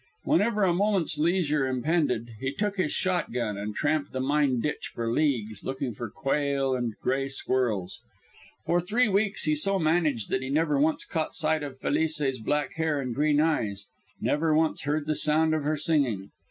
Whenever a moment's leisure impended, he took his shotgun and tramped the mine ditch for leagues, looking for quail and gray squirrels. For three weeks he so managed that he never once caught sight of Felice's black hair and green eyes, never once heard the sound of her singing.